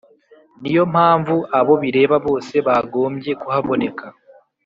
Niyo mpamvu abo bireba bose bagombye kuhaboneka